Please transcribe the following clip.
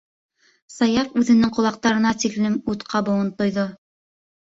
Саяф үҙенең ҡолаҡтарына тиклем ут ҡабыуын тойҙо: